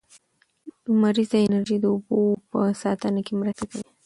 لمریزه انرژي د اوبو په ساتنه کې مرسته کوي.